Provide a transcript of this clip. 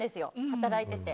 働いてて。